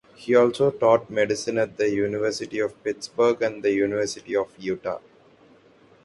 He also taught medicine at the University of Pittsburgh and the University of Utah.